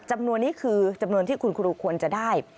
จำนวนนี้คือจำนวนที่คุณครูควรจะได้